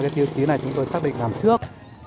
tiêu chí này chúng tôi xác định làm trước